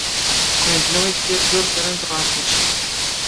خوێندنەوەی کتێب زۆر سەرنجڕاکێشە.